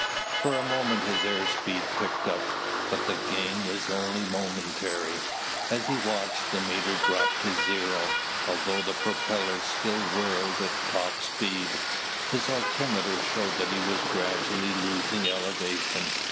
For a moment his air speed picked up, but the gain was only momentary. As he watched, the meter dropped to zero, although the propellers still whirled at top speed. His altimeter showed that he was gradually losing elevation.